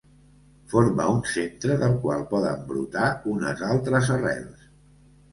Forma un centre del qual poden brotar unes altres arrels.